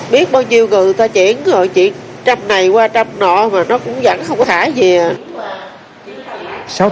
biết bao nhiêu người ta chuyển rồi chuyển trăm này qua trăm nọ mà nó cũng vẫn không có thả gì à